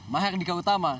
maher dika utama